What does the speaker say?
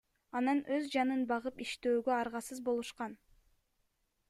Анан өз жанын багып иштөөгө аргасыз болушкан.